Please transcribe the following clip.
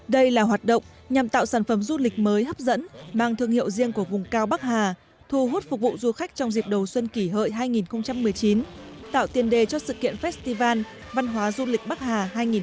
đây là hoạt động nhằm tạo sản phẩm du lịch mới hấp dẫn mang thương hiệu riêng của vùng cao bắc hà thu hút phục vụ du khách trong dịp đầu xuân kỷ hợi hai nghìn một mươi chín tạo tiền đề cho sự kiện festival văn hóa du lịch bắc hà hai nghìn một mươi chín